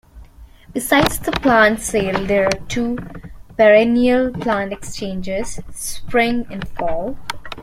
Besides the plant sale, there are two perennial plant exchanges, spring and fall.